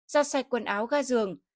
bốn giặt sạch quần áo ga dường